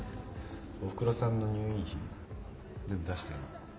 おふくろさんの入院費全部出してんの。